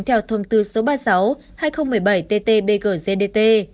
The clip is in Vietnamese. theo thông tư số ba mươi sáu hai nghìn một mươi bảy ttbg dtt